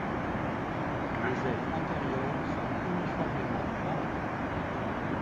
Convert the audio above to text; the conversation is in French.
Les ailes antérieures sont uniformément marron.